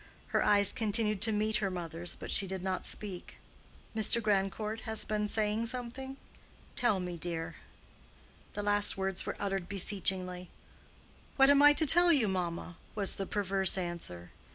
Her eyes continued to meet her mother's, but she did not speak. "Mr. Grandcourt has been saying something?—Tell me, dear." The last words were uttered beseechingly. "What am I to tell you, mamma?" was the perverse answer.